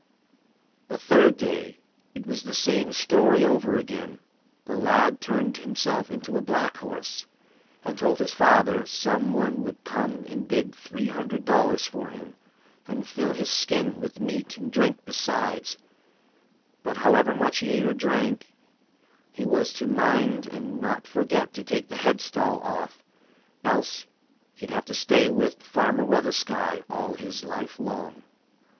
The third day, it was the same story over again: the lad turned himself into a black horse, and told his father some one would come and bid three hundred dollars for him, and fill his skin with meat and drink besides; but however much he ate or drank, he was to mind and not forget to take the headstall off, else he'd have to stay with Farmer Weathersky all his life long.